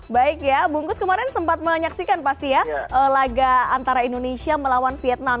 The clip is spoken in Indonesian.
baik ya bungkus kemarin sempat menyaksikan pasti ya laga antara indonesia melawan vietnam